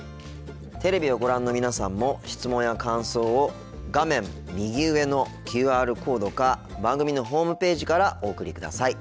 テレビをご覧の皆さんも質問や感想を画面右上のＱＲコードか番組のホームページからお送りください。